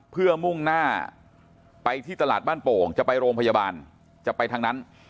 เพื่อมุ่งหน้าไปที่ตลาดบ้านโป่งจะไปโรงพยาบาลจะไปทางนั้น